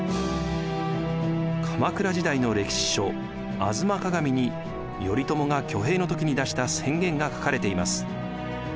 鎌倉時代の歴史書「吾妻鏡」に頼朝が挙兵の時に出した宣言が書かれています。